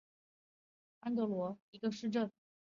安罗德是德国图林根州的一个市镇。